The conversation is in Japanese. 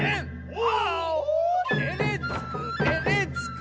お！